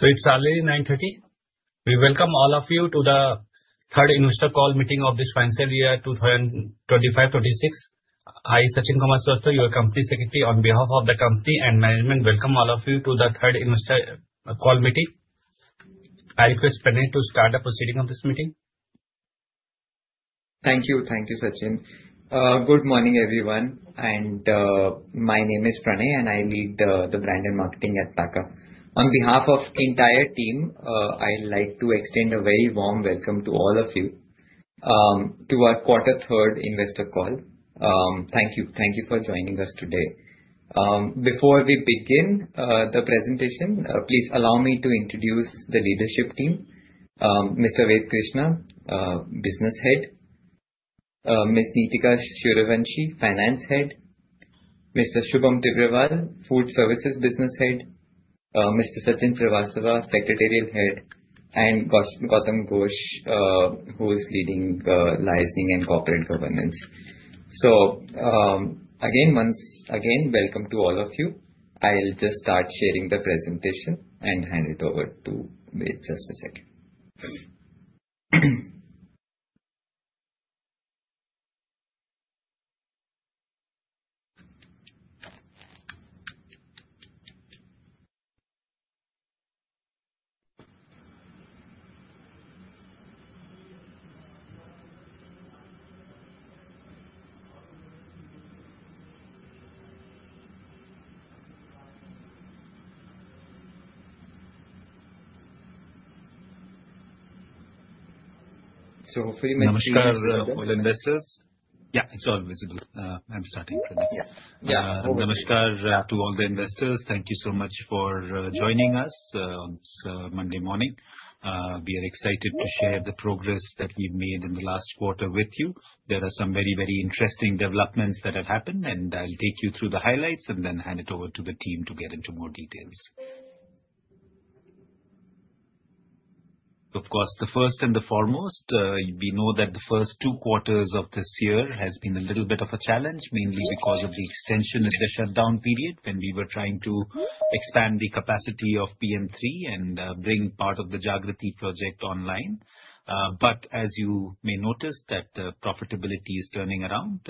So it's early 9:30 A.M. We welcome all of you to the Third Investor Call Meeting of this financial year, 2025-26. I'm Sachin Kumar Srivastava, your Company Secretary on behalf of the company and management. Welcome all of you to the Third Investor Call Meeting. I request Pranay to start the proceeding of this meeting. Thank you, thank you, Sachin. Good morning, everyone. My name is Pranay, and I lead the brand and marketing at Pakka. On behalf of the entire team, I'd like to extend a very warm welcome to all of you to our third quarter investor call. Thank you, thank you for joining us today. Before we begin the presentation, please allow me to introduce the leadership team: Mr. Ved Krishna, Business Head, Ms. Neetika Suryawanshi, Finance Head, Mr. Shubham Tibrewal, Food Services Business Head, Mr. Sachin Kumar Srivastava, Secretarial Head, and Gautam Ghosh, who is leading licensing and corporate governance. So again, once again, welcome to all of you. I'll just start sharing the presentation and hand it over to Ved just a second. So hopefully my screen is visible. Namaskar to all investors. Yeah, it's all visible. I'm starting, Pranay. Yeah. Namaskar to all the investors. Thank you so much for joining us on this Monday morning. We are excited to share the progress that we've made in the last quarter with you. There are some very, very interesting developments that have happened, and I'll take you through the highlights and then hand it over to the team to get into more details. Of course, the first and the foremost, we know that the first two quarters of this year have been a little bit of a challenge, mainly because of the extension of the shutdown period when we were trying to expand the capacity of PM3 and bring part of the Project Jagriti online. But as you may notice, the profitability is turning around.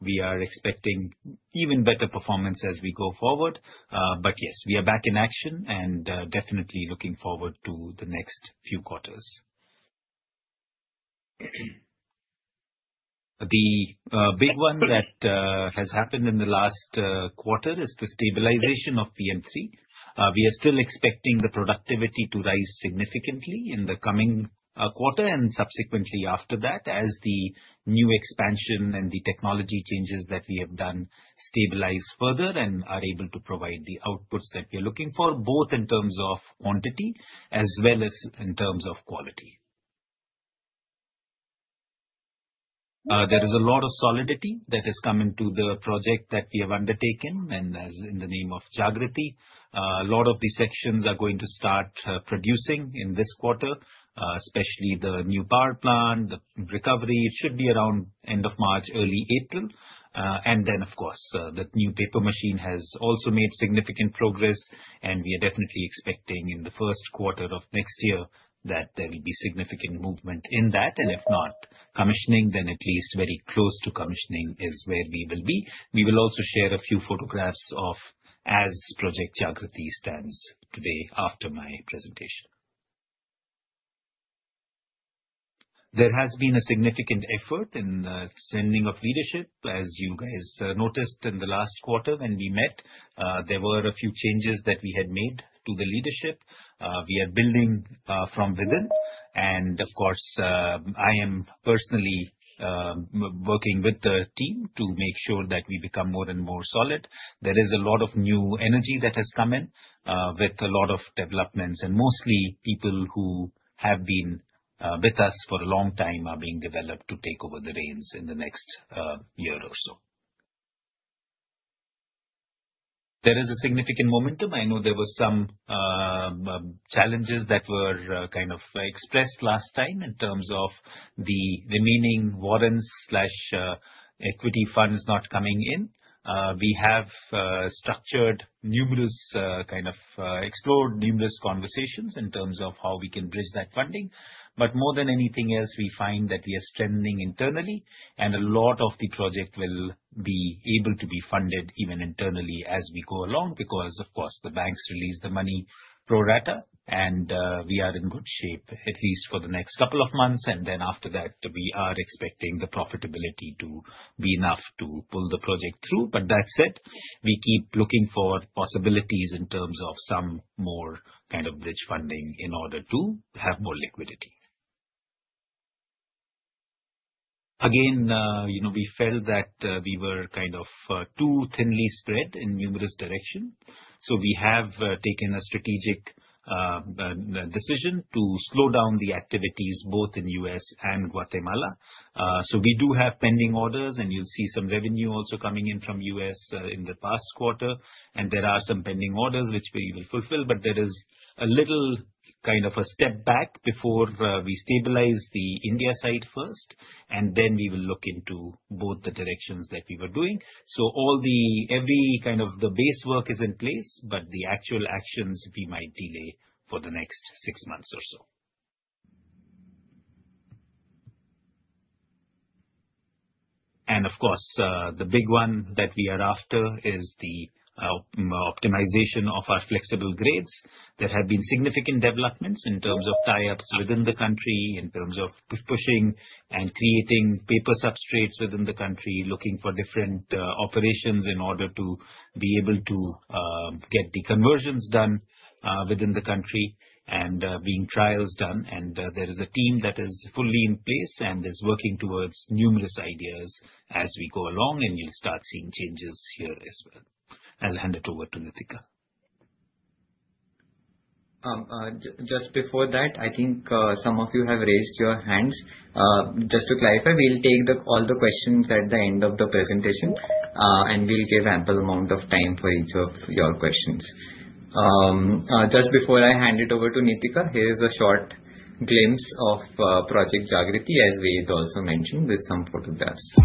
We are expecting even better performance as we go forward. But yes, we are back in action and definitely looking forward to the next few quarters. The big one that has happened in the last quarter is the stabilization of PM3. We are still expecting the productivity to rise significantly in the coming quarter and subsequently after that as the new expansion and the technology changes that we have done stabilize further and are able to provide the outputs that we're looking for, both in terms of quantity as well as in terms of quality. There is a lot of solidity that has come into the project that we have undertaken. And as in the name of Jagriti, a lot of the sections are going to start producing in this quarter, especially the new power plant, the recovery. It should be around end of March, early April. Then, of course, the new paper machine has also made significant progress, and we are definitely expecting in the first quarter of next year that there will be significant movement in that. If not commissioning, then at least very close to commissioning is where we will be. We will also share a few photographs of how Project Jagriti stands today after my presentation. There has been a significant effort in sending off leadership. As you guys noticed, in the last quarter when we met, there were a few changes that we had made to the leadership. We are building from within. Of course, I am personally working with the team to make sure that we become more and more solid. There is a lot of new energy that has come in with a lot of developments, and mostly people who have been with us for a long time are being developed to take over the reins in the next year or so. There is a significant momentum. I know there were some challenges that were kind of expressed last time in terms of the remaining warrants/equity funds not coming in. We have structured numerous kind of explored numerous conversations in terms of how we can bridge that funding. But more than anything else, we find that we are strengthening internally, and a lot of the project will be able to be funded even internally as we go along because, of course, the banks release the money pro rata, and we are in good shape, at least for the next couple of months. And then after that, we are expecting the profitability to be enough to pull the project through. But that said, we keep looking for possibilities in terms of some more kind of bridge funding in order to have more liquidity. Again, we felt that we were kind of too thinly spread in numerous directions. So we have taken a strategic decision to slow down the activities both in the U.S. and Guatemala. So we do have pending orders, and you'll see some revenue also coming in from the U.S. in the past quarter. And there are some pending orders which we will fulfill, but there is a little kind of a step back before we stabilize the India side first, and then we will look into both the directions that we were doing. So every kind of the base work is in place, but the actual actions we might delay for the next six months or so. And of course, the big one that we are after is the optimization of our flexible grades. There have been significant developments in terms of tie-ups within the country, in terms of pushing and creating paper substrates within the country, looking for different operations in order to be able to get the conversions done within the country and being trials done. And there is a team that is fully in place and is working towards numerous ideas as we go along, and you'll start seeing changes here as well. I'll hand it over to Neetika. Just before that, I think some of you have raised your hands. Just to clarify, we'll take all the questions at the end of the presentation, and we'll give an ample amount of time for each of your questions. Just before I hand it over to Neetika, here is a short glimpse of Project Jagriti, as Ved also mentioned, with some photographs.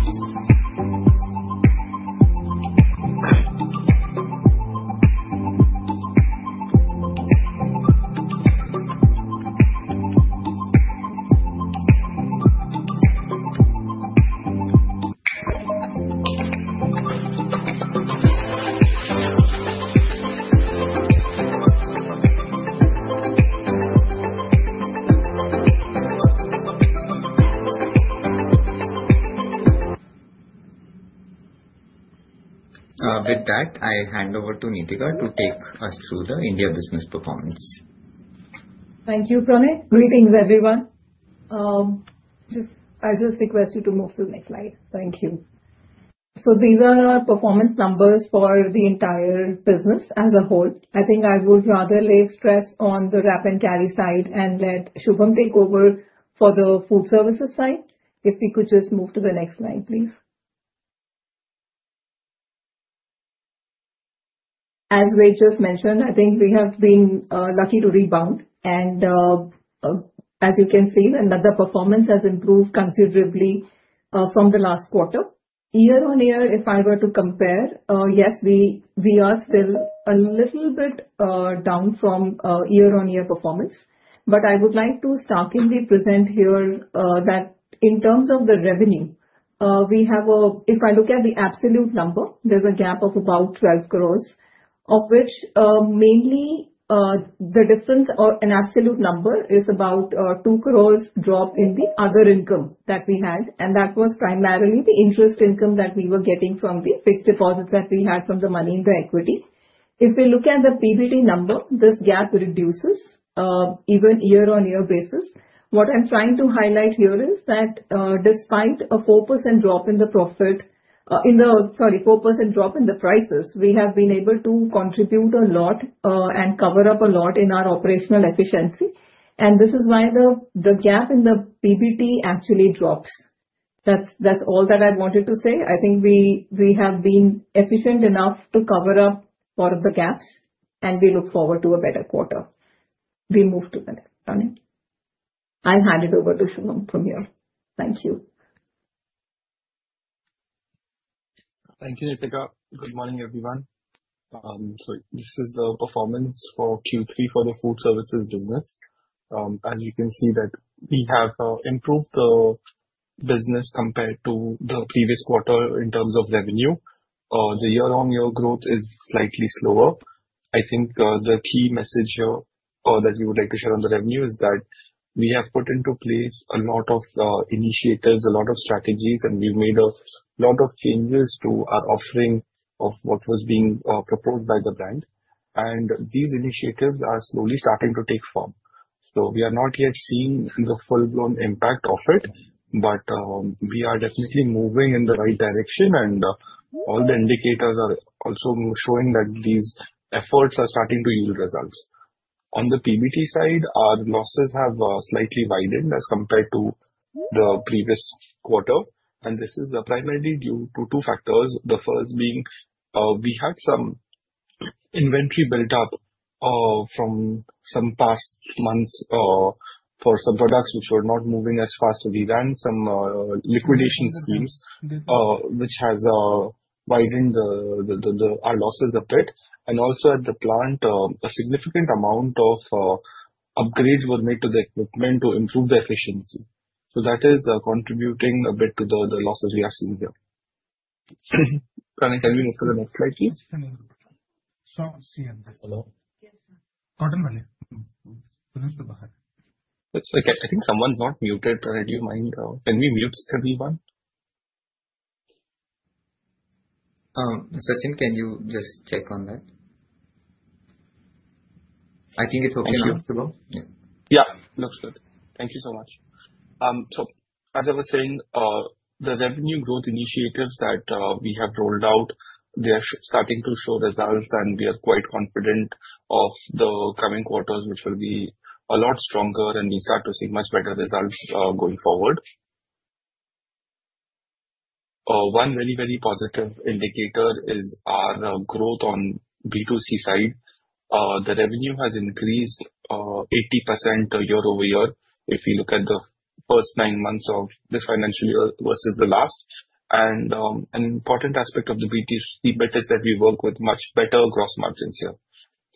With that, I hand over to Neetika to take us through the India business performance. Thank you, Pranay. Greetings, everyone. I'll just request you to move to the next slide. Thank you. So these are our performance numbers for the entire business as a whole. I think I would rather lay stress on the Wrap & Carry side and let Shubham take over for the food services side. If we could just move to the next slide, please. As Ved just mentioned, I think we have been lucky to rebound. As you can see, the performance has improved considerably from the last quarter. Year-on-year, if I were to compare, yes, we are still a little bit down from year-on-year performance. But I would like to startlingly present here that in terms of the revenue, if I look at the absolute number, there's a gap of about 12 crore, of which mainly the difference or an absolute number is about 2 crore drop in the other income that we had. And that was primarily the interest income that we were getting from the fixed deposit that we had from the money in the equity. If we look at the PBT number, this gap reduces even on a year-on-year basis. What I'm trying to highlight here is that despite a 4% drop in the profit in the sorry, 4% drop in the prices, we have been able to contribute a lot and cover up a lot in our operational efficiency. And this is why the gap in the PBT actually drops. That's all that I wanted to say. I think we have been efficient enough to cover up part of the gaps, and we look forward to a better quarter. We move to the next, Pranay. I'll hand it over to Shubham from here. Thank you. Thank you, Neetika. Good morning, everyone. So this is the performance for Q3 for the food services business. As you can see, we have improved the business compared to the previous quarter in terms of revenue. The year-on-year growth is slightly slower. I think the key message here that we would like to share on the revenue is that we have put into place a lot of initiatives, a lot of strategies, and we've made a lot of changes to our offering of what was being proposed by the brand. And these initiatives are slowly starting to take form. So we are not yet seeing the full-blown impact of it, but we are definitely moving in the right direction, and all the indicators are also showing that these efforts are starting to yield results. On the PBT side, our losses have slightly widened as compared to the previous quarter. This is primarily due to two factors. The first being we had some inventory built up from some past months for some products which were not moving as fast as we ran, some liquidation schemes which have widened our losses a bit. Also at the plant, a significant amount of upgrades were made to the equipment to improve the efficiency. That is contributing a bit to the losses we are seeing here. Pranay, can we move to the next slide, please? Yes, Pranay. Shubham, see him there. Hello? Yes, sir. Gautam? Yes. Okay. I think someone's not muted. Do you mind? Can we mute everyone? Sachin, can you just check on that? I think it's okay now. I'm sure. Shubham? Yeah. Yeah, looks good. Thank you so much. So as I was saying, the revenue growth initiatives that we have rolled out, they are starting to show results, and we are quite confident of the coming quarters which will be a lot stronger, and we start to see much better results going forward. One very, very positive indicator is our growth on B2C side. The revenue has increased 80% year-over-year if we look at the first nine months of this financial year versus the last. And an important aspect of the B2C bit is that we work with much better gross margins here.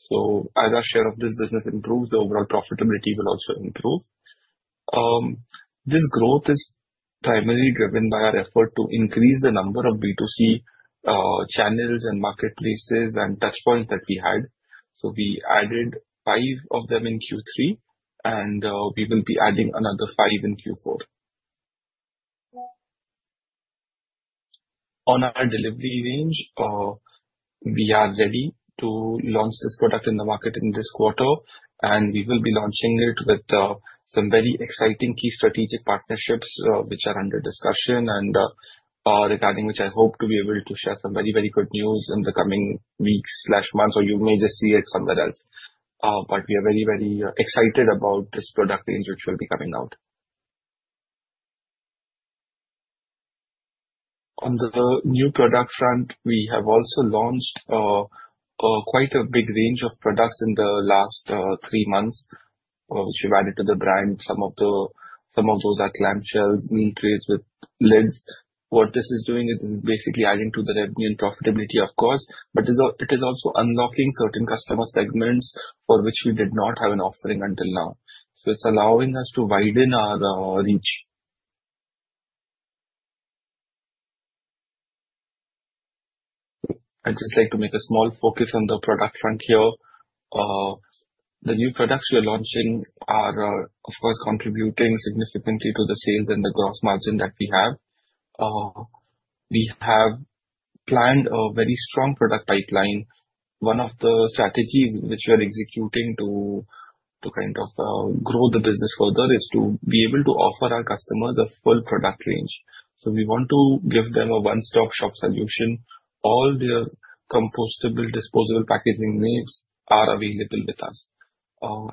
So as our share of this business improves, the overall profitability will also improve. This growth is primarily driven by our effort to increase the number of B2C channels and marketplaces and touchpoints that we had. So we added 5 of them in Q3, and we will be adding another 5 in Q4. On our delivery range, we are ready to launch this product in the market in this quarter, and we will be launching it with some very exciting key strategic partnerships which are under discussion and regarding which I hope to be able to share some very, very good news in the coming weeks/months, or you may just see it somewhere else. But we are very, very excited about this product range which will be coming out. On the new product front, we have also launched quite a big range of products in the last 3 months which we've added to the brand. Some of those are clamshells, meal trays with lids. What this is doing is basically adding to the revenue and profitability, of course, but it is also unlocking certain customer segments for which we did not have an offering until now. So it's allowing us to widen our reach. I'd just like to make a small focus on the product front here. The new products we are launching are, of course, contributing significantly to the sales and the gross margin that we have. We have planned a very strong product pipeline. One of the strategies which we are executing to kind of grow the business further is to be able to offer our customers a full product range. So we want to give them a one-stop shop solution. All their compostable, disposable packaging needs are available with us.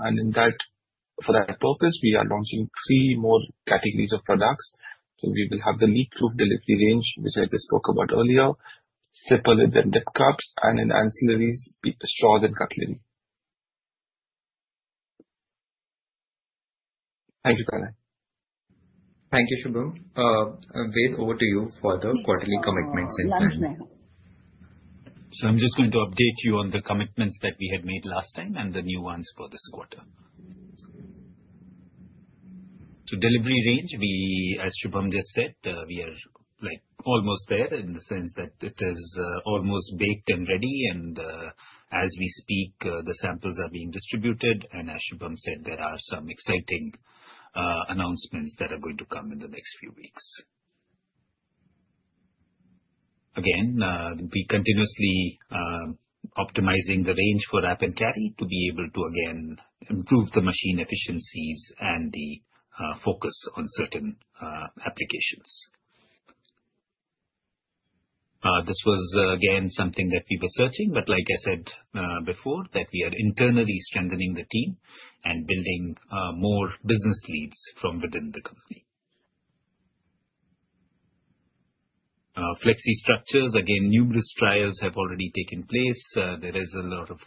And for that purpose, we are launching three more categories of products. We will have the leak-proof delivery range which I just spoke about earlier, zipper lids and dip cups, and in ancillaries, straws and cutlery. Thank you, Pranay. Thank you, Shubham. Ved, over to you for the quarterly commitments and planning. So I'm just going to update you on the commitments that we had made last time and the new ones for this quarter. So delivery range, as Shubham just said, we are almost there in the sense that it is almost baked and ready. And as we speak, the samples are being distributed. And as Shubham said, there are some exciting announcements that are going to come in the next few weeks. Again, we're continuously optimizing the range for Wrap & Carry to be able to, again, improve the machine efficiencies and the focus on certain applications. This was, again, something that we were searching. But like I said before, we are internally strengthening the team and building more business leads from within the company. Flexi structures, again, numerous trials have already taken place. There is a lot of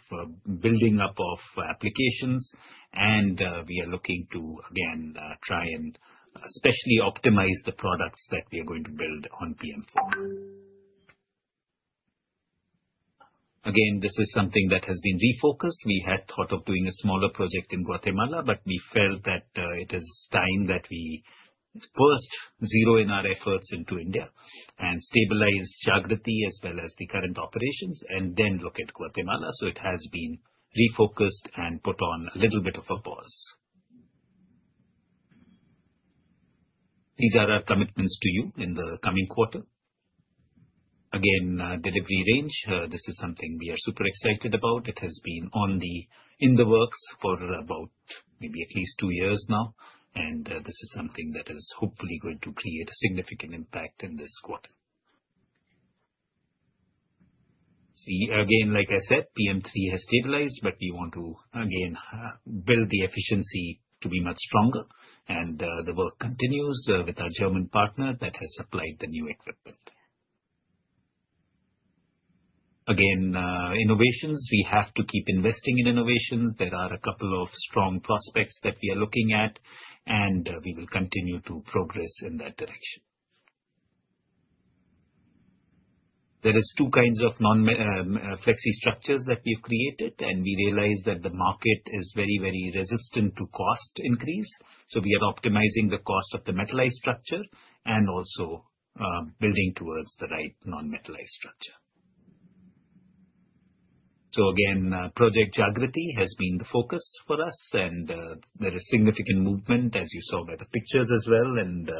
building up of applications, and we are looking to, again, try and especially optimize the products that we are going to build on PM4. Again, this is something that has been refocused. We had thought of doing a smaller project in Guatemala, but we felt that it is time that we first zero in our efforts into India and stabilize Jagriti as well as the current operations, and then look at Guatemala. So it has been refocused and put on a little bit of a pause. These are our commitments to you in the coming quarter. Again, delivery range, this is something we are super excited about. It has been in the works for about maybe at least two years now, and this is something that is hopefully going to create a significant impact in this quarter. Again, like I said, PM3 has stabilized, but we want to, again, build the efficiency to be much stronger. And the work continues with our German partner that has supplied the new equipment. Again, innovations, we have to keep investing in innovations. There are a couple of strong prospects that we are looking at, and we will continue to progress in that direction. There are two kinds of flexi structures that we've created, and we realize that the market is very, very resistant to cost increase. So we are optimizing the cost of the metallized structure and also building towards the right non-metallized structure. So again, Project Jagriti has been the focus for us, and there is significant movement, as you saw by the pictures as well. And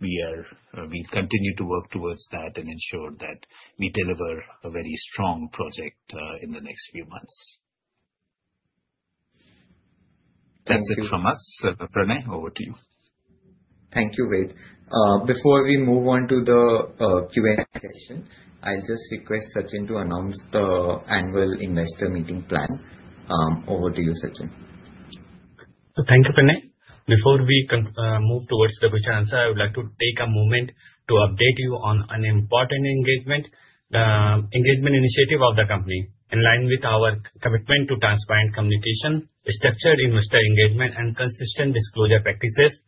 we continue to work towards that and ensure that we deliver a very strong project in the next few months. That's it from us. Pranay, over to you. Thank you, Ved. Before we move on to the Q&A session, I'll just request Sachin to announce the annual investor meeting plan. Over to you, Sachin. Thank you, Pranay. Before we move towards the question answer, I would like to take a moment to update you on an important engagement initiative of the company. In line with our commitment to transparent communication, structured investor engagement, and consistent disclosure practices,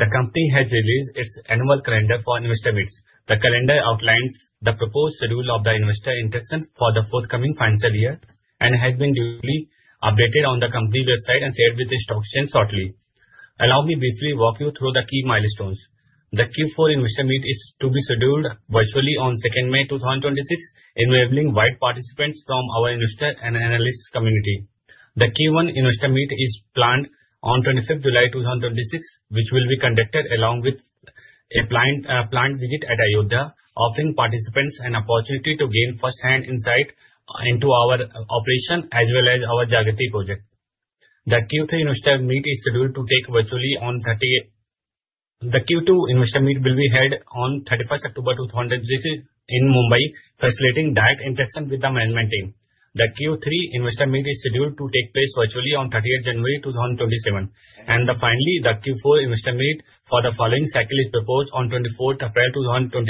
the company has released its annual calendar for investor meets. The calendar outlines the proposed schedule of the investor interaction for the forthcoming financial year and has been duly updated on the company website and shared with the stock exchange shortly. Allow me briefly to walk you through the key milestones. The Q4 investor meet is to be scheduled virtually on 2nd May, 2026, enabling wide participants from our investor and analyst community. The Q1 investor meet is planned on 25th July, 2026, which will be conducted along with a plant visit at Ayodhya, offering participants an opportunity to gain firsthand insight into our operation as well as our Jagriti project. The Q3 investor meet is scheduled to take place virtually on 30th. The Q2 investor meet will be held on 31st October, 2026, in Mumbai, facilitating direct interaction with the management team. The Q3 investor meet is scheduled to take place virtually on 30th January, 2027. Finally, the Q4 investor meet for the following cycle is proposed on 24th April, 2026.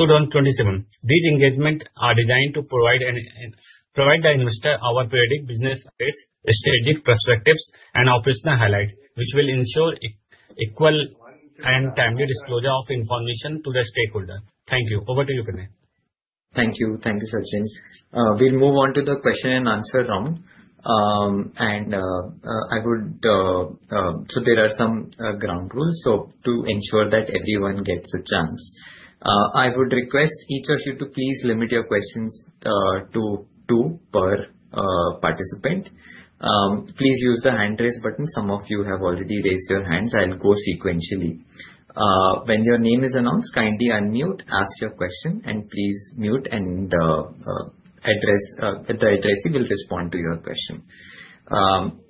These engagements are designed to provide the investor our periodic business updates, strategic perspectives, and operational highlights, which will ensure equal and timely disclosure of information to the stakeholders. Thank you. Over to you, Pranay. Thank you. Thank you, Sachin. We'll move on to the question and answer round. There are some ground rules to ensure that everyone gets a chance. I would request each of you to please limit your questions to two per participant. Please use the hand-raise button. Some of you have already raised your hands. I'll go sequentially. When your name is announced, kindly unmute, ask your question, and please mute, and the addressee will respond to your question.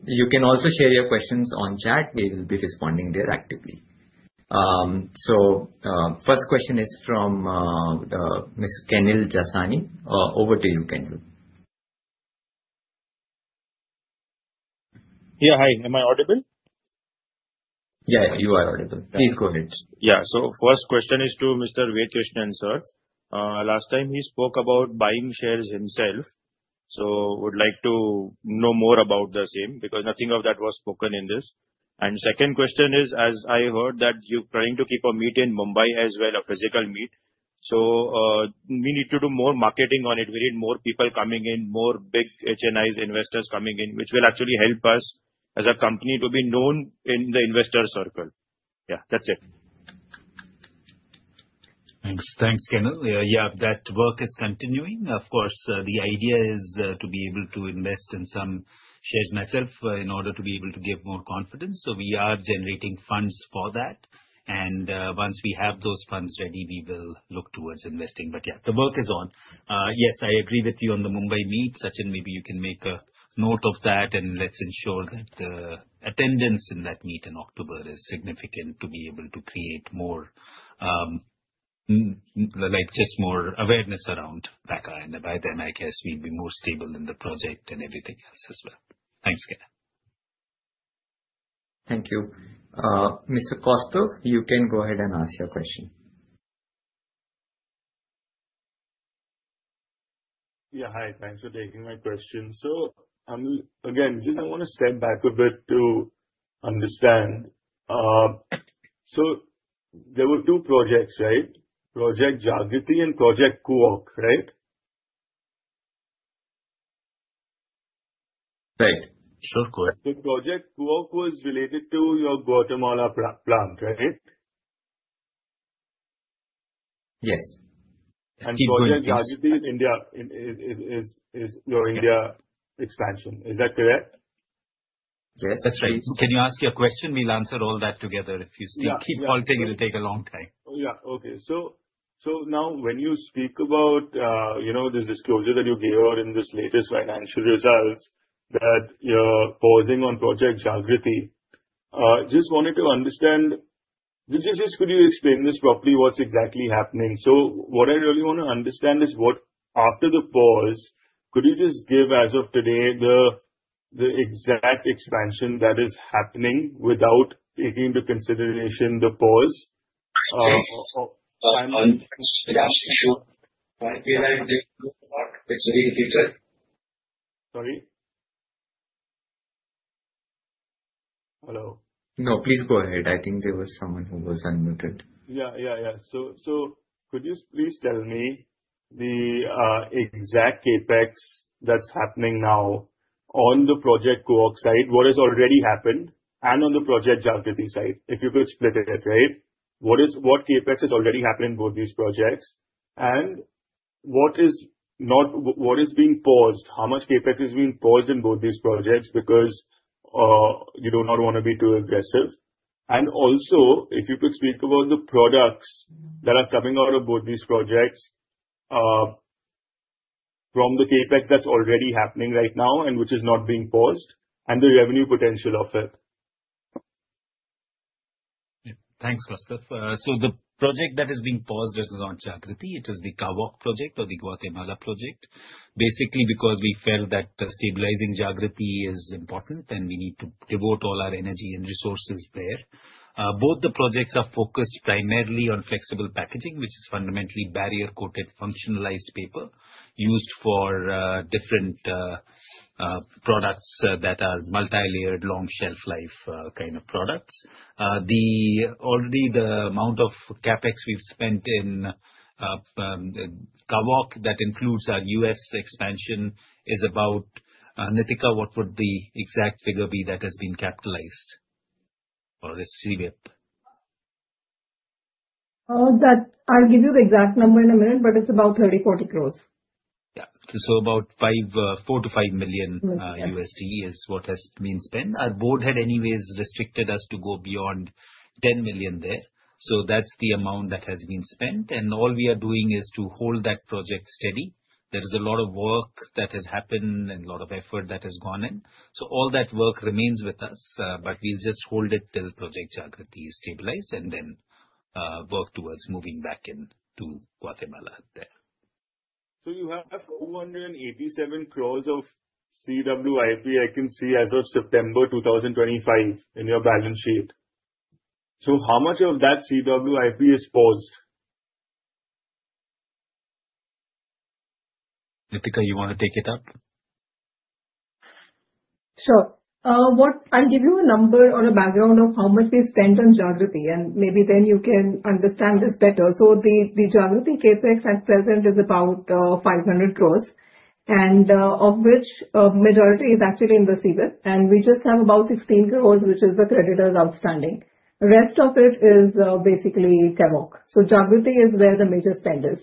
You can also share your questions on chat. We will be responding there actively. First question is from Miss Kunjal Jasani. Over to you, Kunjal. Yeah, hi. Am I audible? Yeah, you are audible. Please go ahead. Yeah. So first question is to Mr. Ved Krishna. Last time, he spoke about buying shares himself. So I would like to know more about the same because nothing of that was spoken in this. And second question is, as I heard that you're trying to keep a meet in Mumbai as well, a physical meet. So we need to do more marketing on it. We need more people coming in, more big HNI investors coming in, which will actually help us as a company to be known in the investor circle. Yeah, that's it. Thanks. Thanks, Kunjal. Yeah, that work is continuing. Of course, the idea is to be able to invest in some shares myself in order to be able to give more confidence. So we are generating funds for that. And once we have those funds ready, we will look towards investing. But yeah, the work is on. Yes, I agree with you on the Mumbai meet. Sachin, maybe you can make a note of that, and let's ensure that the attendance in that meet in October is significant to be able to create just more awareness around Pakka. And by then, I guess we'll be more stable in the project and everything else as well. Thanks, Kunjal. Thank you. Mr. Kaustubh, you can go ahead and ask your question. Yeah, hi. Thanks for taking my question. So again, just I want to step back a bit to understand. So there were two projects, right? Project Jagriti and Project Cawoq, right? Right. Sure, go ahead. So Project Cawoq was related to your Guatemala plant, right? Yes. And Project Jagriti is your India expansion. Is that correct? Yes, that's right. Can you ask your question? We'll answer all that together. If you keep halting, it'll take a long time. Yeah. Okay. So now when you speak about this disclosure that you gave out in this latest financial results, that you're pausing on Project Jagriti, just wanted to understand, could you explain this properly, what's exactly happening? So what I really want to understand is after the pause, could you just give, as of today, the exact expansion that is happening without taking into consideration the pause? I'm not sure. Might be a little bit low. It's really difficult. Sorry? Hello? No, please go ahead. I think there was someone who was unmuted. Yeah, yeah, yeah. So could you please tell me the exact CapEx that's happening now on the Project Cawoq side, what has already happened, and on the Project Jagriti side, if you could split it, right? What CapEx has already happened in both these projects, and what is being paused? How much CapEx is being paused in both these projects because you do not want to be too aggressive? And also, if you could speak about the products that are coming out of both these projects from the CapEx that's already happening right now and which is not being paused, and the revenue potential of it. Thanks, Kaustubh. So the project that is being paused is not Jagriti. It is the Cawoq project or the Guatemala project, basically because we felt that stabilizing Jagriti is important, and we need to devote all our energy and resources there. Both the projects are focused primarily on flexible packaging, which is fundamentally barrier-coated functionalized paper used for different products that are multi-layered, long shelf-life kind of products. Already, the amount of CapEx we've spent in Cawoq that includes our U.S. expansion is about Neetika, what would the exact figure be that has been capitalized? Or is CWIP? I'll give you the exact number in a minute, but it's about 30 crore-40 crore. Yeah. So about $4 million-$5 million is what has been spent. Our board had anyways restricted us to go beyond $10 million there. So that's the amount that has been spent. And all we are doing is to hold that project steady. There is a lot of work that has happened and a lot of effort that has gone in. So all that work remains with us, but we'll just hold it till Project Jagriti is stabilized and then work towards moving back into Guatemala there. So you have 487 crore of CWIP, I can see, as of September 2025 in your balance sheet. So how much of that CWIP is paused? Neetika, you want to take it up? Sure. I'll give you a number or a background of how much we've spent on Jagriti, and maybe then you can understand this better. So the Jagriti CapEx at present is about 500 crore, and of which a majority is actually in the CWIP. And we just have about 16 crore, which is the creditors outstanding. The rest of it is basically Cawoq. So Jagriti is where the major spend is.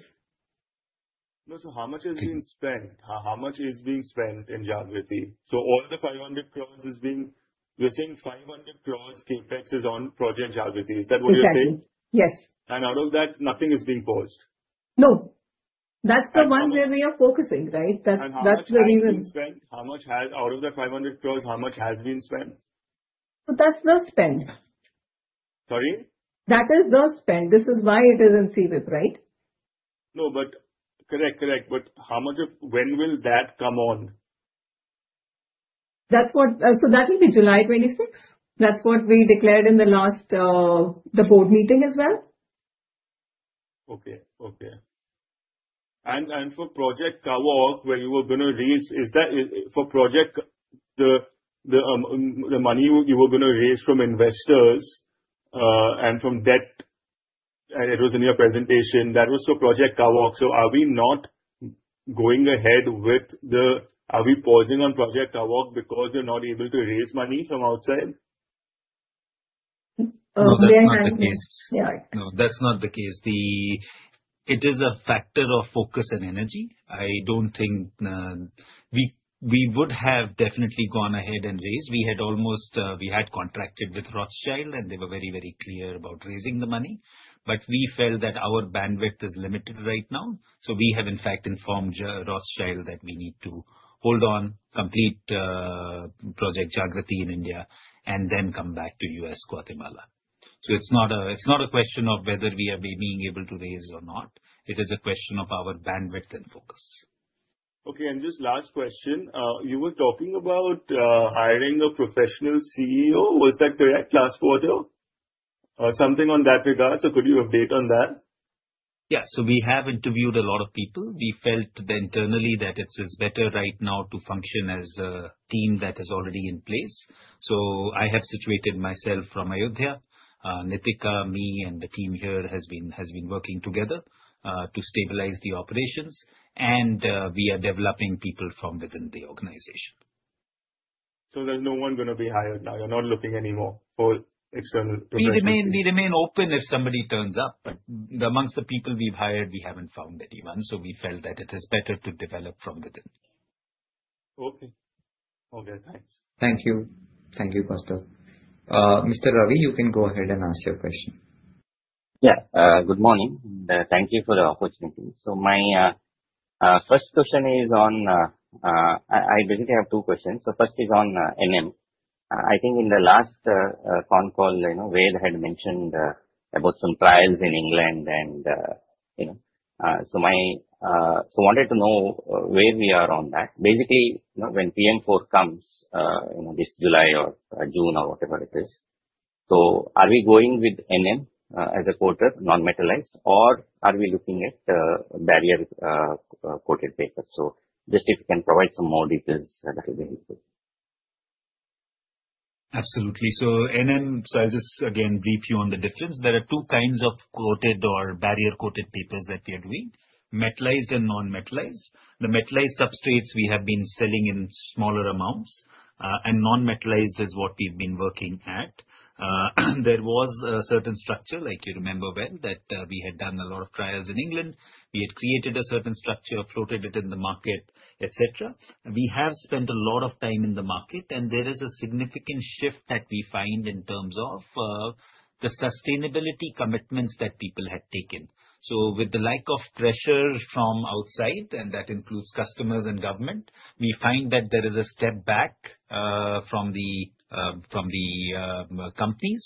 So how much is being spent? How much is being spent in Jagriti? So all the 500 crore is being—you're saying 500 crore CapEx is on Project Jagriti. Is that what you're saying? Exactly. Yes. Out of that, nothing is being paused? No. That's the one where we are focusing, right? That's where we will. How much has been spent? Out of the 500 crore, how much has been spent? That's the spend. Sorry? That is the spend. This is why it is in CWIP, right? No, but correct, correct. But when will that come on? That will be July 26th. That's what we declared in the board meeting as well. Okay. Okay. For Project Cawoq, where you were going to raise for Project the money you were going to raise from investors and from debt, it was in your presentation. That was for Project Cawoq. So are we not going ahead with it? Are we pausing on Project Cawoq because you're not able to raise money from outside? That's not the case. Yeah, I can. No, that's not the case. It is a factor of focus and energy. I don't think we would have definitely gone ahead and raised. We had contracted with Rothschild, and they were very, very clear about raising the money. But we felt that our bandwidth is limited right now. So we have, in fact, informed Rothschild that we need to hold on, complete Project Jagriti in India, and then come back to U.S. Guatemala. So it's not a question of whether we are being able to raise or not. It is a question of our bandwidth and focus. Okay. Just last question. You were talking about hiring a professional CEO. Was that correct last quarter? Something on that regard. Could you update on that? Yeah. So we have interviewed a lot of people. We felt internally that it's better right now to function as a team that is already in place. So I have situated myself from Ayodhya. Neetika, me, and the team here has been working together to stabilize the operations. And we are developing people from within the organization. There's no one going to be hired now? You're not looking anymore for external professionals? We remain open if somebody turns up. But among the people we've hired, we haven't found anyone. So we felt that it is better to develop from within. Okay. Okay. Thanks. Thank you. Thank you, Kaustubh. Mr. Ravi, you can go ahead and ask your question. Yeah. Good morning. Thank you for the opportunity. So my first question is on. I basically have two questions. So first is on NM. I think in the last phone call, Ved had mentioned about some trials in England. And so I wanted to know where we are on that. Basically, when PM4 comes this July or June or whatever it is, so are we going with NM as a quarter, non-metallized, or are we looking at barrier-coated papers? So just if you can provide some more details, that will be helpful. Absolutely. So I'll just, again, brief you on the difference. There are two kinds of coated or barrier-coated papers that we are doing: metallized and non-metallized. The metallized substrates, we have been selling in smaller amounts. And non-metallized is what we've been working at. There was a certain structure, like you remember well, that we had done a lot of trials in England. We had created a certain structure, floated it in the market, etc. We have spent a lot of time in the market, and there is a significant shift that we find in terms of the sustainability commitments that people had taken. So with the lack of pressure from outside, and that includes customers and government, we find that there is a step back from the companies.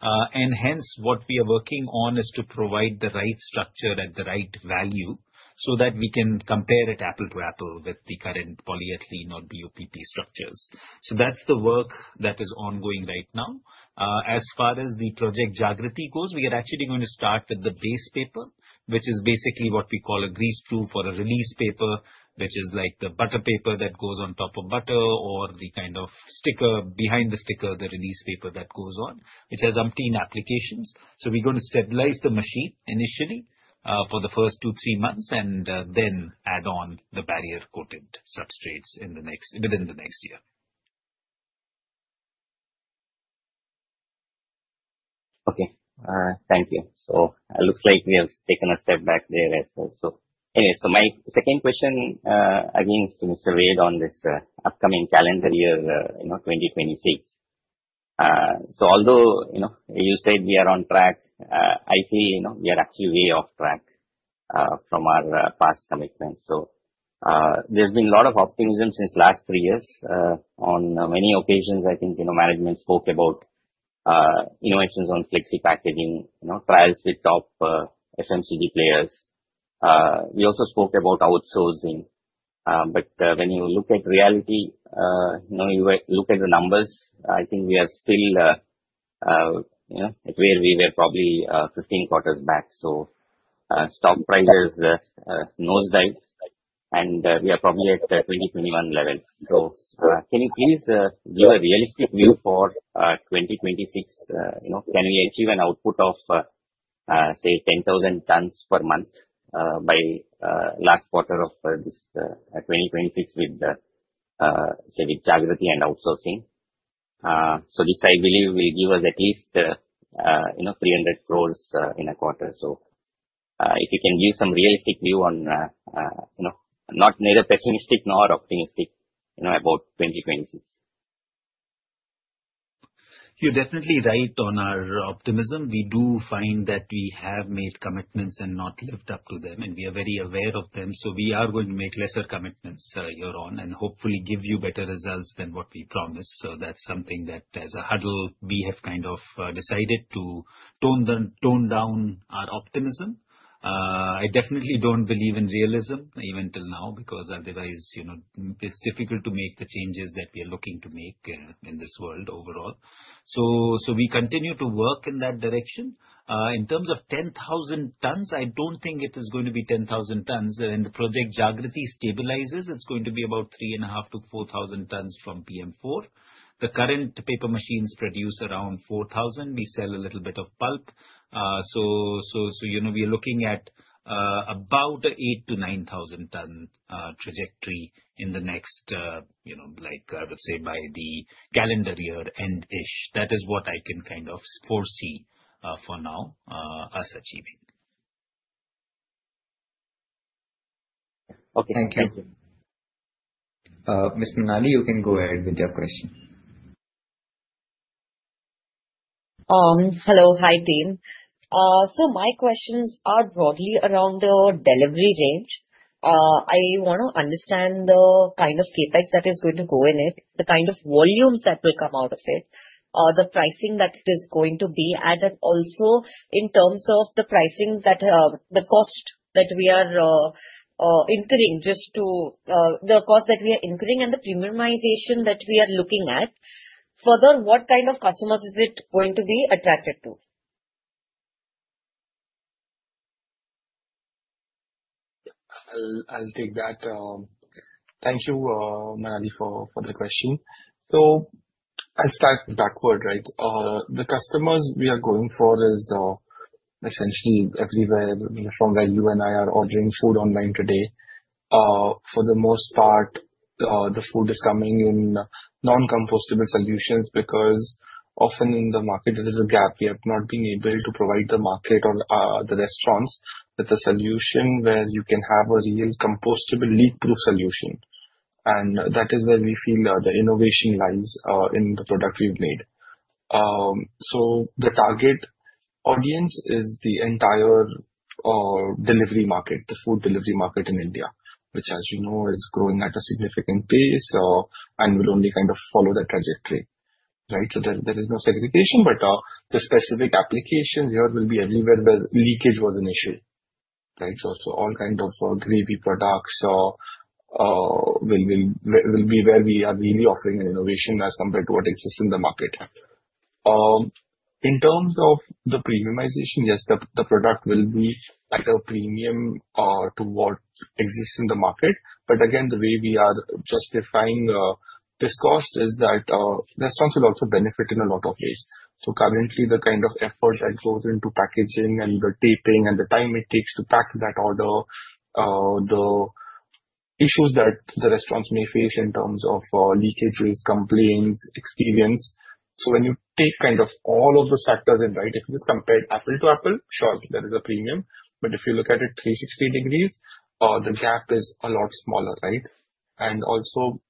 And hence, what we are working on is to provide the right structure at the right value so that we can compare it apple to apple with the current polyethylene or BOPP structures. So that's the work that is ongoing right now. As far as the Project Jagriti goes, we are actually going to start with the base paper, which is basically what we call a greaseproof or a release paper, which is like the butter paper that goes on top of butter or the kind of sticker behind the sticker, the release paper that goes on, which has umpteen applications. So we're going to stabilize the machine initially for the first two, three months, and then add on the barrier-coated substrates within the next year. Okay. Thank you. So it looks like we have taken a step back there as well. So anyway, so my second question, again, is to Mr. Ved on this upcoming calendar year, 2026. So although you said we are on track, I feel we are actually way off track from our past commitments. So there's been a lot of optimism since last 3 years. On many occasions, I think management spoke about innovations on flexi packaging, trials with top FMCG players. We also spoke about outsourcing. But when you look at reality, you look at the numbers, I think we are still at where we were probably 15 quarters back. So stock price is nosedive, and we are probably at the 2021 level. So can you please give a realistic view for 2026? Can we achieve an output of, say, 10,000 tons per month by last quarter of 2026 with, say, with Jagriti and outsourcing? So this, I believe, will give us at least 300 crore in a quarter. So if you can give some realistic view on not neither pessimistic nor optimistic about 2026. You're definitely right on our optimism. We do find that we have made commitments and not lived up to them, and we are very aware of them. So we are going to make lesser commitments year-on and hopefully give you better results than what we promised. So that's something that, as a huddle, we have kind of decided to tone down our optimism. I definitely don't believe in realism even till now because otherwise, it's difficult to make the changes that we are looking to make in this world overall. So we continue to work in that direction. In terms of 10,000 tons, I don't think it is going to be 10,000 tons. When the Project Jagriti stabilizes, it's going to be about 3.5-4,000 tons from PM4. The current paper machines produce around 4,000. We sell a little bit of pulp. So we are looking at about an 8-9 thousand ton trajectory in the next, I would say, by the calendar year end-ish. That is what I can kind of foresee for now us achieving. Okay. Thank you. Thank you. Ms. Minali, you can go ahead with your question. Hello. Hi, team. My questions are broadly around the delivery range. I want to understand the kind of CapEx that is going to go in it, the kind of volumes that will come out of it, the pricing that it is going to be at, and also in terms of the cost that we are incurring just to the cost that we are incurring and the premiumization that we are looking at. Further, what kind of customers is it going to be attracted to? I'll take that. Thank you, Minali, for the question. So I'll start backward, right? The customers we are going for is essentially everywhere from where you and I are ordering food online today. For the most part, the food is coming in non-compostable solutions because often in the market, there is a gap. We have not been able to provide the market or the restaurants with a solution where you can have a real compostable, leak-proof solution. And that is where we feel the innovation lies in the product we've made. So the target audience is the entire delivery market, the food delivery market in India, which, as you know, is growing at a significant pace and will only kind of follow that trajectory, right? So there is no segregation. But the specific applications here will be everywhere where leakage was an issue, right? So all kinds of gravy products will be where we are really offering an innovation as compared to what exists in the market. In terms of the premiumization, yes, the product will be at a premium toward what exists in the market. But again, the way we are justifying this cost is that restaurants will also benefit in a lot of ways. So currently, the kind of effort that goes into packaging and the taping and the time it takes to pack that order, the issues that the restaurants may face in terms of leakage risk complaints, experience. So when you take kind of all of the factors in, right, if you just compare apple to apple, sure, there is a premium. But if you look at it 360 degrees, the gap is a lot smaller, right? Also,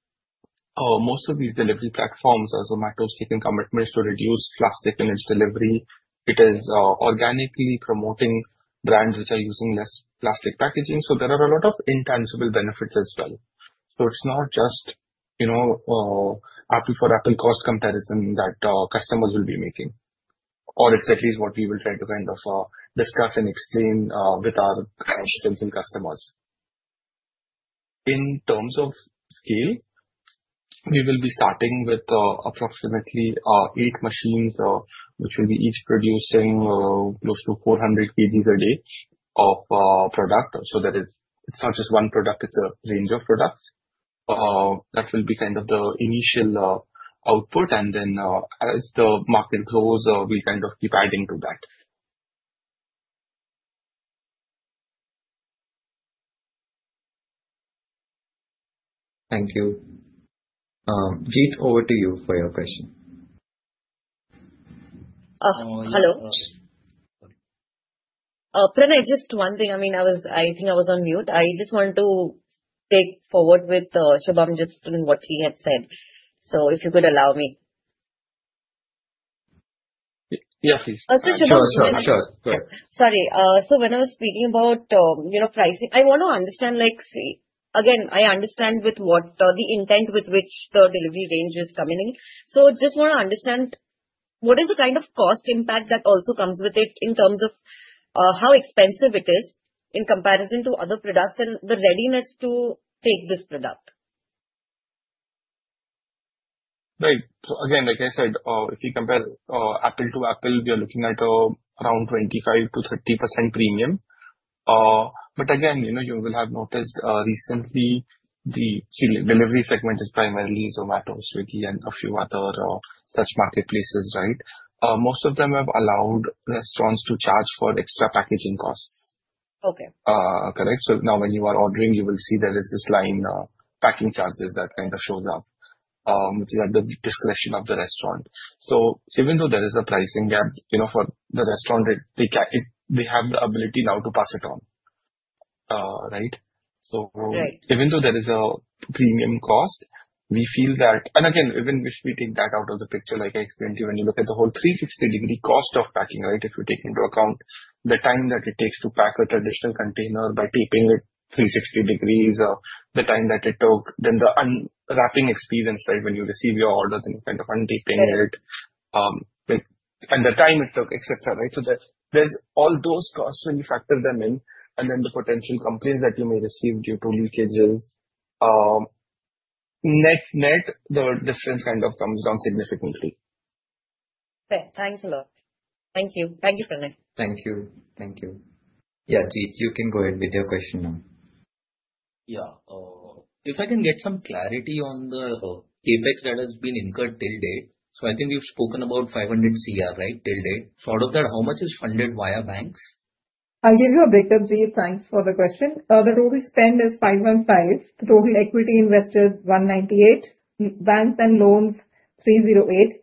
most of these delivery platforms, Zomato's taken commitments to reduce plastic in its delivery. It is organically promoting brands which are using less plastic packaging. So there are a lot of intangible benefits as well. So it's not just apple-for-apple cost comparison that customers will be making, or it's at least what we will try to kind of discuss and explain with our potential customers. In terms of scale, we will be starting with approximately 8 machines, which will be each producing close to 400 kg a day of product. So it's not just one product. It's a range of products. That will be kind of the initial output. And then as the market grows, we'll kind of keep adding to that. Thank you. Jeet, over to you for your question. Oh, hello. Hi. Pranay, just one thing. I mean, I think I was on mute. I just want to take forward with Shubham just what he had said. So if you could allow me. Yeah, please. Sure, sure, sure. Sorry. So when I was speaking about pricing, I want to understand again. I understand the intent with which the delivery range is coming in. So I just want to understand what is the kind of cost impact that also comes with it in terms of how expensive it is in comparison to other products and the readiness to take this product. Right. So again, like I said, if you compare apple to apple, we are looking at around 25%-30% premium. But again, you will have noticed recently, the delivery segment is primarily Zomato, Swiggy, and a few other such marketplaces, right? Most of them have allowed restaurants to charge for extra packaging costs, correct? So now when you are ordering, you will see there is this line packing charges that kind of shows up, which is at the discretion of the restaurant. So even though there is a pricing gap for the restaurant, they have the ability now to pass it on, right? So even though there is a premium cost, we feel that and again, even if we take that out of the picture, like I explained to you, when you look at the whole 360-degree cost of packing, right, if you take into account the time that it takes to pack a traditional container by taping it 360 degrees, the time that it took, then the unwrapping experience, right, when you receive your order, then you kind of untape it, and the time it took, etc., right? So there's all those costs when you factor them in and then the potential complaints that you may receive due to leakages. Net-net, the difference kind of comes down significantly. Fair. Thanks a lot. Thank you. Thank you, Pranay. Thank you. Thank you. Yeah, Jeet, you can go ahead with your question now. Yeah. If I can get some clarity on the CapEx that has been incurred till date. So I think we've spoken about 500 crore, right, till date. So out of that, how much is funded via banks? I'll give you a breakdown, Jeet. Thanks for the question. The total spend is 515. The total equity invested is 198. Banks and loans, 308.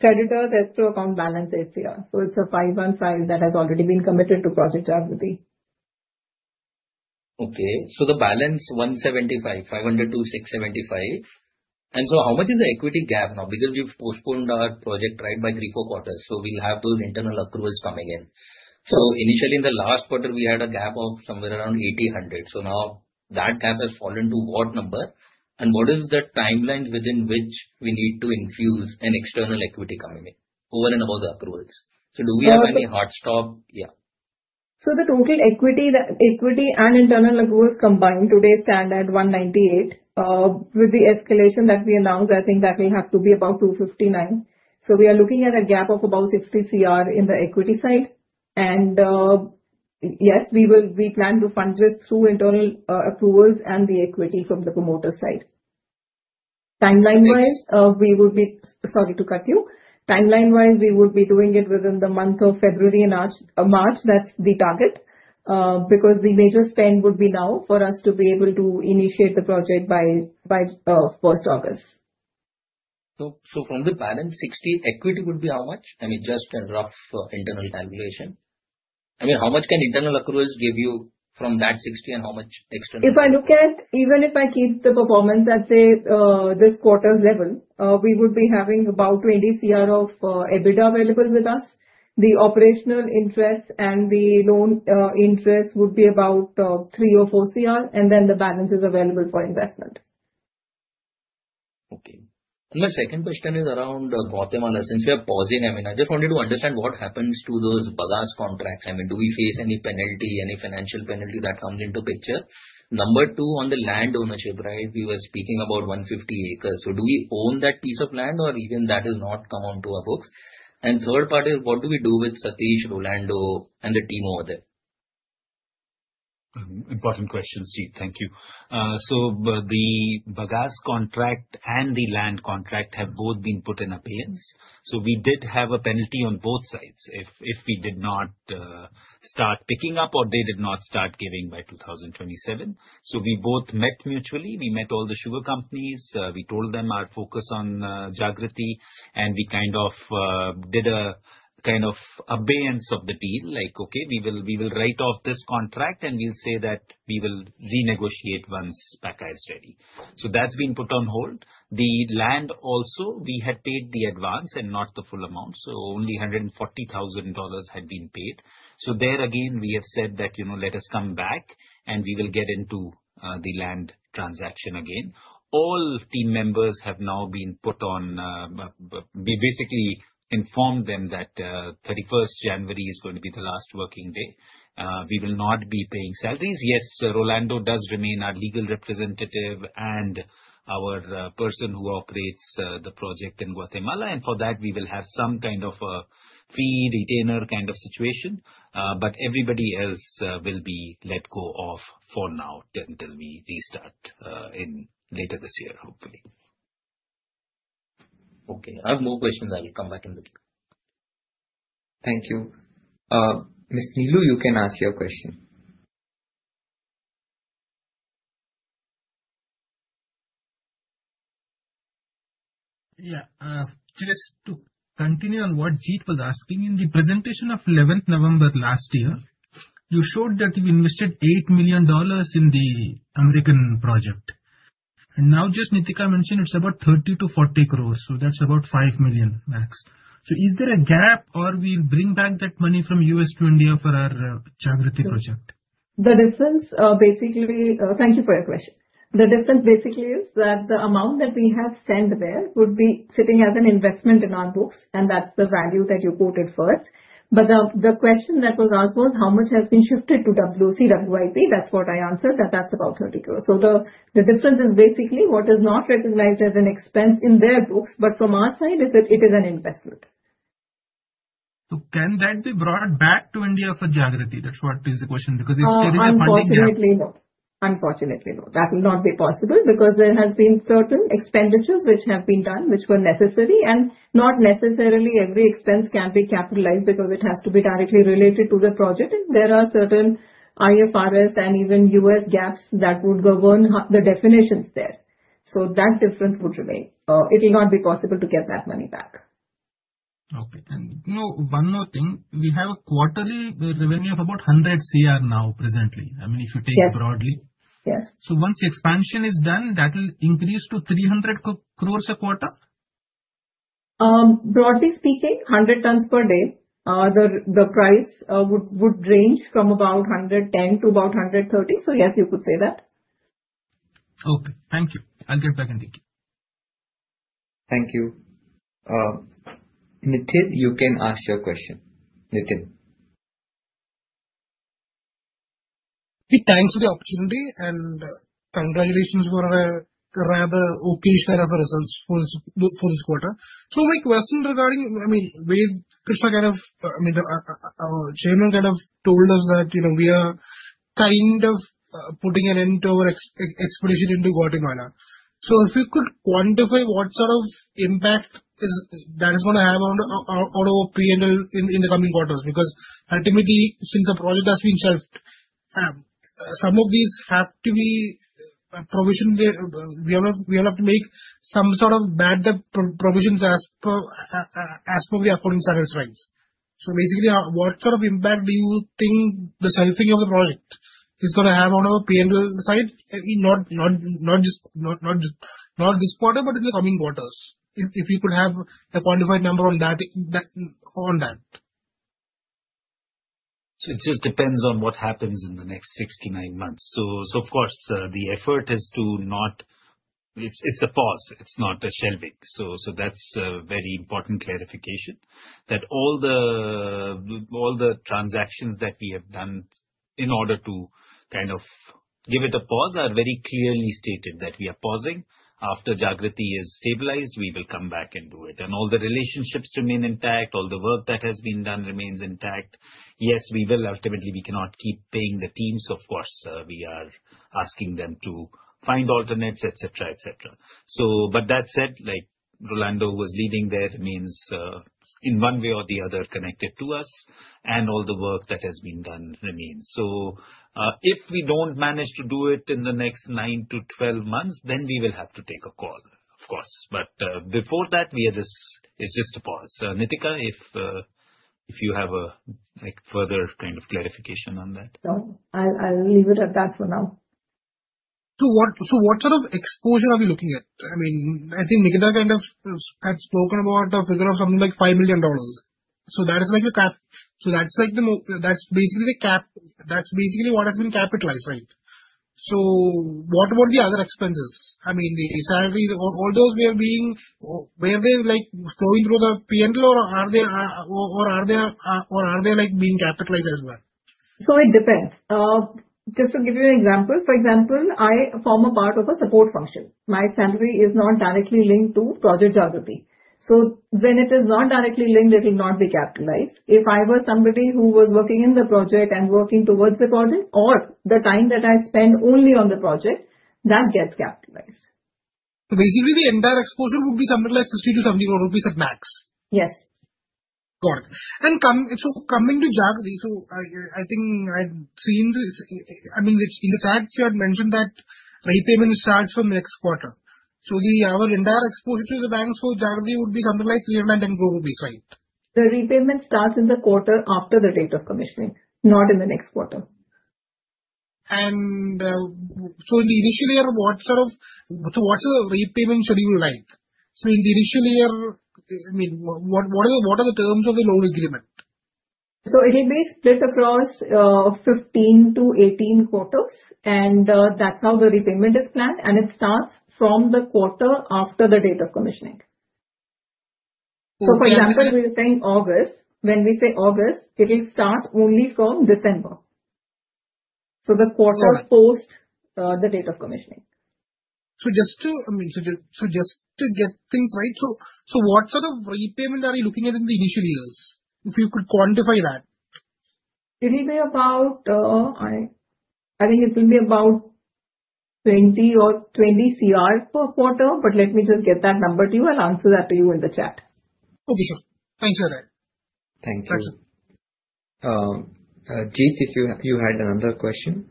Creditors' escrow account balance is INR 0. So it's 515 that has already been committed to Project Jagriti. Okay. The balance 175,500-675. How much is the equity gap now? Because we've postponed our project, right, by 3-4 quarters. We'll have those internal approvals coming in. Initially, in the last quarter, we had a gap of somewhere around 80-100. Now that gap has fallen to what number? What is the timeline within which we need to infuse external equity coming in over and above the approvals? Do we have any hard stop? Yeah. So the total equity and internal approvals combined today stand at 198 crore. With the escalation that we announced, I think that will have to be about 259 crore. So we are looking at a gap of about 60 crore in the equity side. And yes, we plan to fund this through internal approvals and the equity from the promoter side. Timeline-wise, we would be sorry to cut you. Timeline-wise, we would be doing it within the month of February and March. That's the target because the major spend would be now for us to be able to initiate the project by 1st August. From the balance, 60, equity would be how much? I mean, just a rough internal calculation. I mean, how much can internal approvals give you from that 60, and how much external? If I look at even if I keep the performance at, say, this quarter's level, we would be having about 20 crore of EBITDA available with us. The operational interest and the loan interest would be about 3 crore or 4 crore. And then the balance is available for investment. Okay. My second question is around Guatemala. Since we are pausing, I mean, I just wanted to understand what happens to those bagasse contracts. I mean, do we face any penalty, any financial penalty that comes into picture? Number two, on the land ownership, right, we were speaking about 150 acres. So do we own that piece of land, or even that has not come onto our books? And third part is, what do we do with Satish, Rolando, and the team over there? Important question, Jeet. Thank you. So the bagasse contract and the land contract have both been put in abeyance. So we did have a penalty on both sides if we did not start picking up or they did not start giving by 2027. So we both met mutually. We met all the sugar companies. We told them our focus on Jagriti, and we kind of did a kind of abeyance of the deal, like, "Okay, we will write off this contract, and we'll say that we will renegotiate once Pakka is ready." So that's been put on hold. The land also, we had paid the advance and not the full amount. So only $140,000 had been paid. So there again, we have said that, "Let us come back, and we will get into the land transaction again." All team members have now been put on notice. We basically informed them that 31st January is going to be the last working day. We will not be paying salaries. Yes, Rolando does remain our legal representative and our person who operates the project in Guatemala. And for that, we will have some kind of a fee retainer kind of situation. But everybody else will be let go of for now until we restart later this year, hopefully. Okay. I have more questions. I will come back in the meantime. Thank you. Ms. Neelu, you can ask your question. Yeah. Just to continue on what Jeet was asking, in the presentation of 11th November last year, you showed that you've invested $8 million in the American project. And now, just Neetika mentioned, it's about 30 crore-40 crore. So that's about $5 million max. So is there a gap, or will we bring back that money from U.S. to India for our Project Jagriti? The difference. Basically, thank you for your question. The difference basically is that the amount that we have sent there would be sitting as an investment in our books. That's the value that you quoted first. But the question that was asked was, "How much has been shifted to CWIP?" That's what I answered, that that's about 30 crore. So the difference is basically what is not recognized as an expense in their books, but from our side, it is an investment. Can that be brought back to India for Jagriti? That's what is the question because if there is a funding gap. Unfortunately, no. Unfortunately, no. That will not be possible because there have been certain expenditures which have been done which were necessary. And not necessarily every expense can be capitalized because it has to be directly related to the project. And there are certain IFRS and even U.S. GAAPs that would govern the definitions there. So that difference would remain. It will not be possible to get that money back. Okay. And one more thing. We have a quarterly revenue of about 100 crore now presently, I mean, if you take it broadly. So once the expansion is done, that will increase to 300 crore a quarter? Broadly speaking, 100 tons per day. The price would range from about 110 to about 130. So yes, you could say that. Okay. Thank you. I'll get back and take you. Thank you. Nikhil, you can ask your question. Nikhil. Thanks for the opportunity. Congratulations for rather excellent results for this quarter. So my question regarding, I mean, Krishna kind of I mean, our chairman kind of told us that we are kind of putting an end to our expansion into Guatemala. So if you could quantify what sort of impact that is going to have on our P&L in the coming quarters because ultimately, since a project has been shelved, some of these have to be provisioned we will have to make some sort of write-off provisions as per the accounting standards. So basically, what sort of impact do you think the shelving of the project is going to have on our P&L side, not just this quarter, but in the coming quarters? If you could give a quantified number on that. So it just depends on what happens in the next 6-9 months. So of course, the effort is to not it's a pause. It's not a shelving. So that's a very important clarification that all the transactions that we have done in order to kind of give it a pause are very clearly stated that we are pausing. After Jagriti is stabilized, we will come back and do it. And all the relationships remain intact. All the work that has been done remains intact. Yes, ultimately, we cannot keep paying the teams. Of course, we are asking them to find alternates, etc., etc. But that said, Rolando, who was leading there, remains in one way or the other connected to us. And all the work that has been done remains. So if we don't manage to do it in the next 9-12 months, then we will have to take a call, of course. But before that, it's just a pause. Neetika, if you have further kind of clarification on that. No. I'll leave it at that for now. So what sort of exposure are we looking at? I mean, I think Neetika kind of had spoken about a figure of something like $5 million. So that is like the cap. So that's basically the cap. That's basically what has been capitalized, right? So what about the other expenses? I mean, the salaries, all those where they're flowing through the P&L, or are they or are they being capitalized as well? It depends. Just to give you an example, for example, I form a part of a support function. My salary is not directly linked to Project Jagriti. When it is not directly linked, it will not be capitalized. If I were somebody who was working in the project and working towards the project or the time that I spend only on the project, that gets capitalized. Basically, the entire exposure would be something like 50 crore-70 crore rupees at max? Yes. Got it. And so coming to Jagriti, so I think I had seen, I mean, in the chats, you had mentioned that repayment starts from next quarter. So our entire exposure to the banks for Jagriti would be something like INR 310 crore, right? The repayment starts in the quarter after the date of commissioning, not in the next quarter. And so in the initial year, what's the repayment schedule like? So in the initial year, I mean, what are the terms of the loan agreement? So it will be split across 15-18 quarters. That's how the repayment is planned. It starts from the quarter after the date of commissioning. So for example, we are saying August. When we say August, it will start only from December, so the quarter post the date of commissioning. So just to, I mean, get things right, what sort of repayment are you looking at in the initial years, if you could quantify that? It will be about. I think it will be about 20 crore per quarter. But let me just get that number to you. I'll answer that to you in the chat. Okay. Sure. Thanks for that. Thank you. Thanks, sir. Jeet, if you had another question.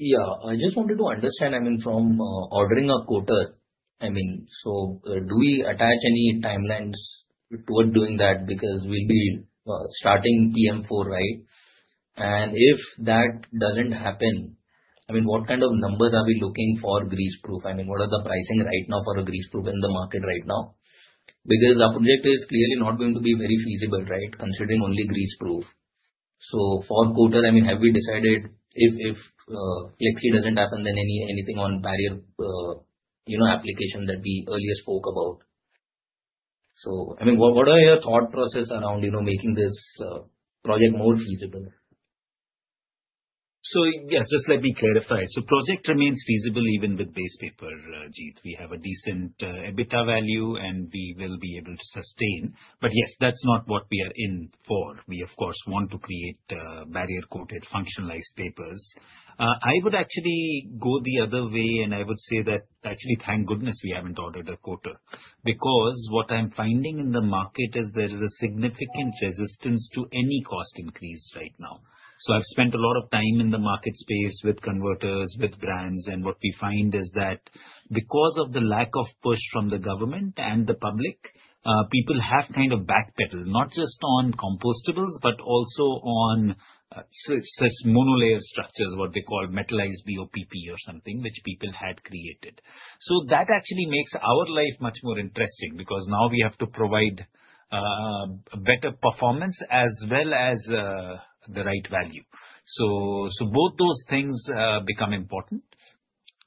Yeah. I just wanted to understand, I mean, from ordering a coater, I mean, so do we attach any timelines toward doing that because we'll be starting PM4, right? And if that doesn't happen, I mean, what kind of numbers are we looking for greaseproof? I mean, what are the pricing right now for a greaseproof in the market right now? Because our project is clearly not going to be very feasible, right, considering only greaseproof. So for coater, I mean, have we decided if Flexi doesn't happen, then anything on barrier application that we earlier spoke about? So I mean, what are your thought process around making this project more feasible? So yeah, just let me clarify. So project remains feasible even with base paper, Jeet. We have a decent EBITDA value, and we will be able to sustain. But yes, that's not what we are in for. We, of course, want to create barrier-coated functionalized papers. I would actually go the other way, and I would say that actually, thank goodness, we haven't ordered a coater because what I'm finding in the market is there is a significant resistance to any cost increase right now. So I've spent a lot of time in the market space with converters, with brands. And what we find is that because of the lack of push from the government and the public, people have kind of backpedaled, not just on compostables but also on monolayer structures, what they call metallized BOPP or something, which people had created. So that actually makes our life much more interesting because now we have to provide better performance as well as the right value. So both those things become important.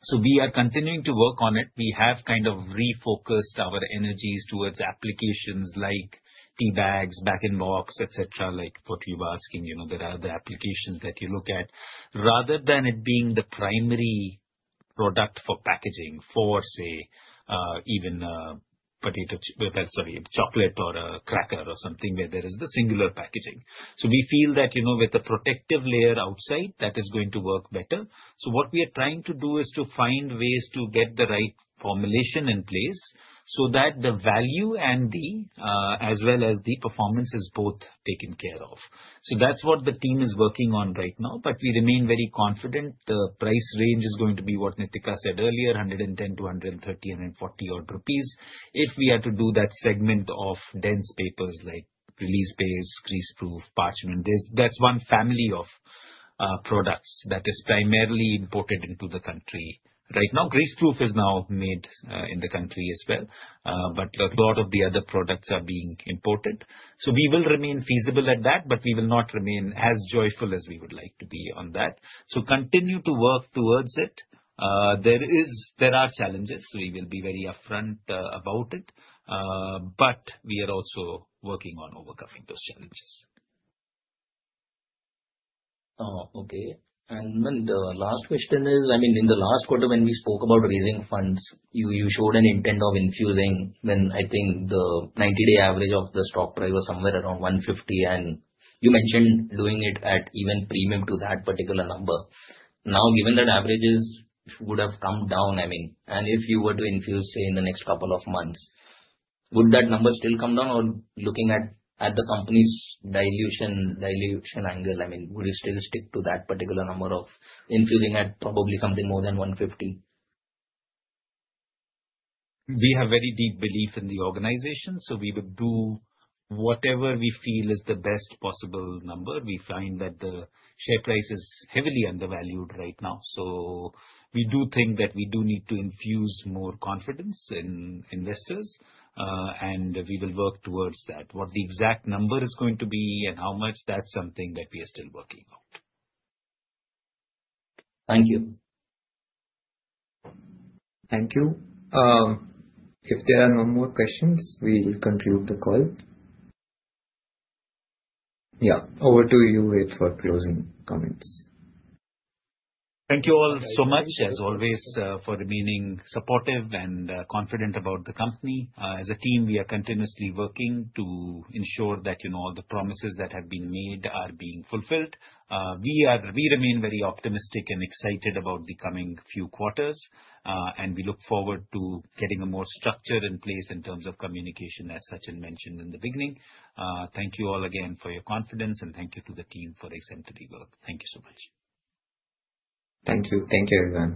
So we are continuing to work on it. We have kind of refocused our energies towards applications like tea bags, bag-in-box, etc., like what you were asking. There are the applications that you look at rather than it being the primary product for packaging for, say, even potato sorry, chocolate or a cracker or something where there is the singular packaging. So we feel that with a protective layer outside, that is going to work better. So what we are trying to do is to find ways to get the right formulation in place so that the value and as well as the performance is both taken care of. So that's what the team is working on right now. But we remain very confident the price range is going to be what Neetika said earlier, 110-130, 140-odd rupees, if we are to do that segment of dense papers like release base, greaseproof, parchment. That's one family of products that is primarily imported into the country right now. Greaseproof is now made in the country as well. But a lot of the other products are being imported. So we will remain feasible at that, but we will not remain as joyful as we would like to be on that. So continue to work towards it. There are challenges. We will be very upfront about it. But we are also working on overcoming those challenges. Okay. And then the last question is, I mean, in the last quarter, when we spoke about raising funds, you showed an intent of infusing when I think the 90-day average of the stock price was somewhere around 150. And you mentioned doing it at even premium to that particular number. Now, given that averages would have come down, I mean, and if you were to infuse, say, in the next couple of months, would that number still come down? Or looking at the company's dilution angle, I mean, would you still stick to that particular number of infusing at probably something more than 150? We have very deep belief in the organization. So we would do whatever we feel is the best possible number. We find that the share price is heavily undervalued right now. So we do think that we do need to infuse more confidence in investors. And we will work towards that. What the exact number is going to be and how much, that's something that we are still working out. Thank you. Thank you. If there are no more questions, we'll conclude the call. Yeah. Over to you, Ved, for closing comments. Thank you all so much, as always, for remaining supportive and confident about the company. As a team, we are continuously working to ensure that all the promises that have been made are being fulfilled. We remain very optimistic and excited about the coming few quarters. We look forward to getting a more structure in place in terms of communication, as Sachin mentioned in the beginning. Thank you all again for your confidence. Thank you to the team for exemplary work. Thank you so much. Thank you. Thank you, everyone.